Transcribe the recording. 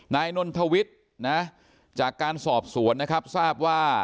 นายนนทวิทย์นะฮะจากการสอบสวนนะครับ